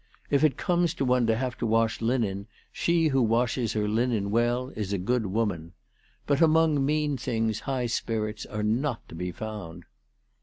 If it comes to one to have to wash linen, she who washes her linen well is a good woman. But among mean things high spirits are not to be found."